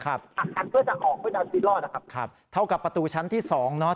หักกันเพื่อจะออกเพื่อจะเอาชีวิตรอดนะครับครับเท่ากับประตูชั้นที่สองเนาะ